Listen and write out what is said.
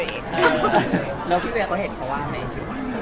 แล้วพี่เวียร์เขาเห็นเขาว่าไหม